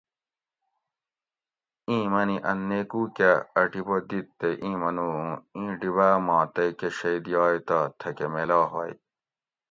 اِیں منی ان نیکو کہ اۤ ڈیبہ دیت تے اِیں منو اُوں ایں ڈیباۤ ما تئ کہۤ شئ دیائ تہ تھکہ میلا ہوئے